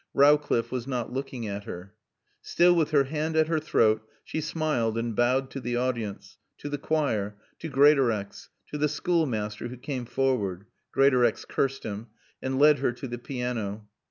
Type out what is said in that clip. Rowcliffe was not looking at her. Still with her hand at her throat, she smiled and bowed to the audience, to the choir, to Greatorex, to the schoolmaster who came forward (Greatorex cursed him) and led her to the piano.